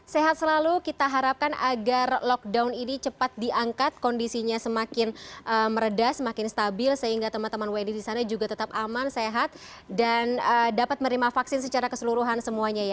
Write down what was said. sehat selalu kita harapkan agar lockdown ini cepat diangkat kondisinya semakin meredah semakin stabil sehingga teman teman wni di sana juga tetap aman sehat dan dapat menerima vaksin secara keseluruhan semuanya